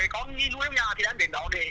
có nghi nuôi đông nhà thì đem đến đó để